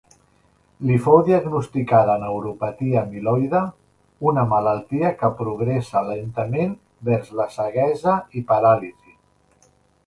Li fou diagnosticada neuropatia amiloide, una malaltia que progressa lentament vers la ceguesa i paràlisi.